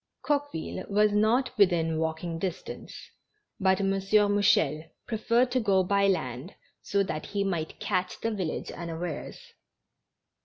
Coqueville was not within walking distance, but M. Mouchel preferred to go by land so that he might catch the village unawares.